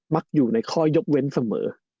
มักอยู่ในข้อยกเว้นเสมอ